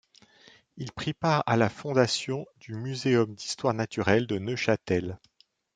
Il prit part à la fondation du Muséum d'histoire naturelle de Neuchâtel.